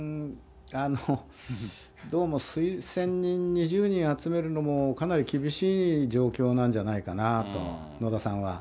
どうも推薦人２０人集めるのも、かなり厳しい状況なんじゃないかなと、野田さんは。